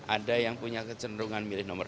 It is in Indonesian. ada yang punya kecenderungan milik nomor dua